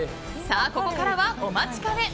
ここからは、お待ちかね。